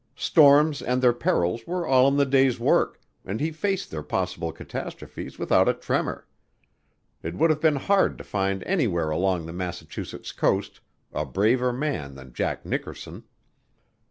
Storms and their perils were all in the day's work, and he faced their possible catastrophes without a tremor. It would have been hard to find anywhere along the Massachusetts coast a braver man than Jack Nickerson.